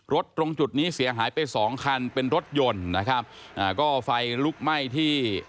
ตรงจุดนี้เสียหายไปสองคันเป็นรถยนต์นะครับอ่าก็ไฟลุกไหม้ที่